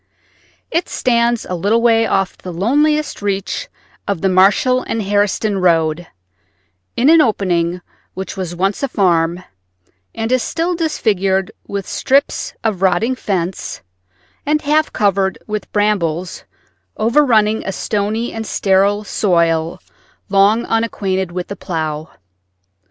It stands a little way off the loneliest reach of the Marshall and Harriston road, in an opening which was once a farm and is still disfigured with strips of rotting fence and half covered with brambles overrunning a stony and sterile soil long unacquainted with the plow.